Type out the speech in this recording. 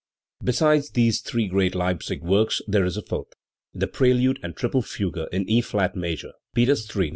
Besides these three great Leipzig works there is a fourth, the prelude and triple fugue in E flat major (Peters III, No.